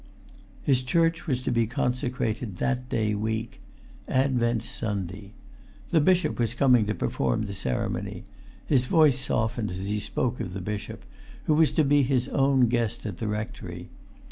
His church was to be consecrated that day week—Advent Sunday. The bishop was coming to perform the ceremony; his voice softened as he spoke of the bishop, who was to be his own guest at the rectory.